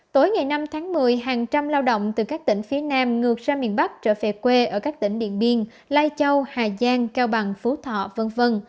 tối ngày năm tháng một mươi hàng trăm lao động từ các tỉnh phía nam ngược ra miền bắc trở về quê ở các tỉnh điện biên lai châu hà giang cao bằng phú thọ v v